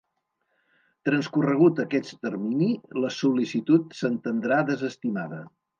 Transcorregut aquest termini, la sol·licitud s'entendrà desestimada.